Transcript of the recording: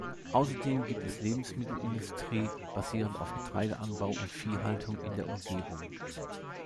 Außerdem gibt es Lebensmittelindustrie, basierend auf Getreideanbau und Viehhaltung in der Umgebung.